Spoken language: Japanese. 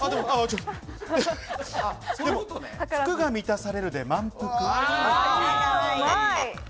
福が満たされるで満福。